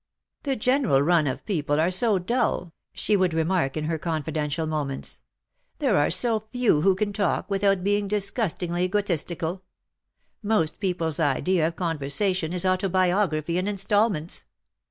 *^ The general run of people are so dull,'' she 176 '^AND PALE FROM THE PAST would remark in her confidential moments ;" there are so few who can talk^ without being disgust ingly egotistical. Most people^s idea of conversa tion is autobiography in instalments.